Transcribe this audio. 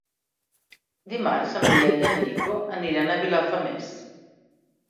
Dimarts en Biel i en Nico aniran a Vilafamés.